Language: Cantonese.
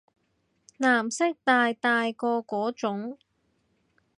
藍色大大個嗰種